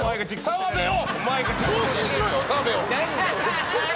澤部を！